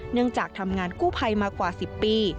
เนื่องจากทำงานกู้ไพรมากกว่า๑๐ปี